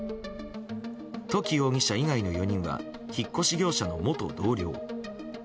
土岐容疑者以外の４人は引っ越し業者の元同僚。